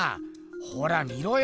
ほら見ろよ。